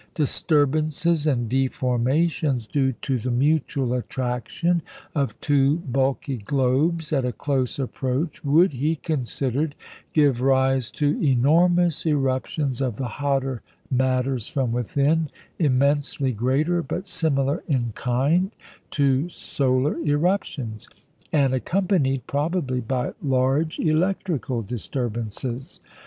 Disturbances and deformations due to the mutual attraction of two bulky globes at a close approach would, he considered, "give rise to enormous eruptions of the hotter matters from within, immensely greater, but similar in kind, to solar eruptions; and accompanied, probably, by large electrical disturbances."